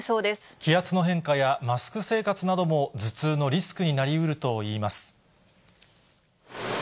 気圧の変化やマスク生活なども、頭痛のリスクになりうるといいます。